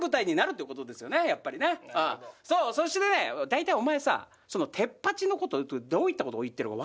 だいたいお前さテッパチのことどういったことを言ってるか分かるか？